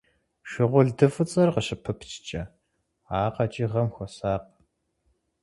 Шыгъулды фӀыцӀэр къыщыпыпчкӀэ а къэкӀыгъэм хуэсакъ.